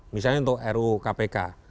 misalnya untuk ru kpk